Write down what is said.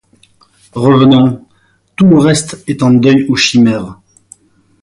Revenons, tout le reste étant deuil ou chimère